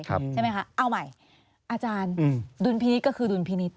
ใช่ไหมคะเอาใหม่อาจารย์ดุลพินิษฐ์ก็คือดุลพินิษฐ